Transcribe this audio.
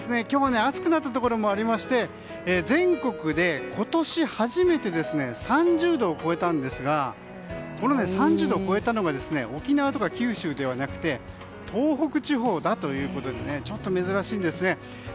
今日は暑くなったところもありまして全国で今年初めて３０度を超えたんですが３０度を超えたのが沖縄とか九州ではなく東北地方ということでちょっと珍しいんですね。